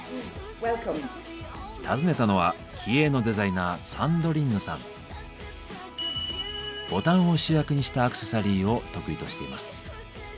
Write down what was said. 訪ねたのは気鋭のデザイナーボタンを主役にしたアクセサリーを得意としています。